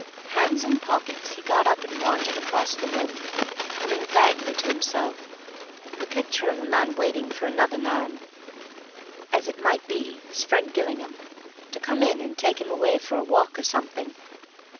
Hands in pockets, he got up and wandered across the room, humming vaguely to himself, the picture of a man waiting for another man (as it might be his friend Gillingham) to come in and take him away for a walk or something.